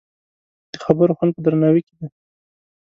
د خبرو خوند په درناوي کې دی